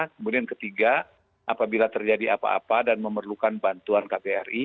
kemudian ketiga apabila terjadi apa apa dan memerlukan bantuan kbri